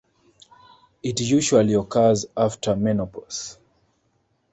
It usually occurs after menopause.